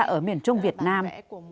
ở miền trung việt nam